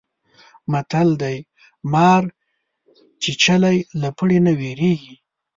متل دی: مار چیچلی له پړي نه وېرېږي.